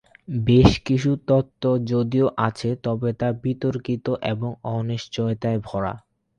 বেশ কিছু তত্ব যদিও আছে তবে তা বিতর্কিত এবং অনিশ্চিয়তায় ভরা।